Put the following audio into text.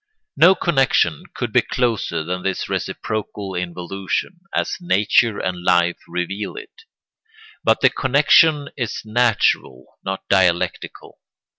No connection could be closer than this reciprocal involution, as nature and life reveal it; but the connection is natural, not dialectical.